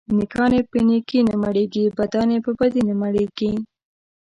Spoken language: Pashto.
نيکان يې په نيکي نه مړېږي ، بدان يې په بدي نه مړېږي.